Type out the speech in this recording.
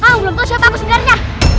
wow belum tahu siapa aku sebenarnya